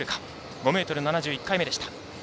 ５ｍ７０、１回目でした。